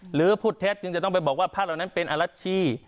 หรือพูดเท็จจึงจะต้องไปบอกว่าพระเหล่านั้นเป็นอรัชชี่